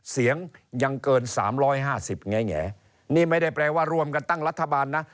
เสียงยังเกิน๓๕๐แง่นี่ไม่ได้แปลว่ารวมกันตั้งรัฐบาลนะ